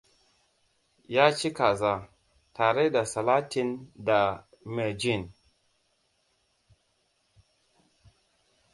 Ya ci kaza, tare da salatin da mirgine.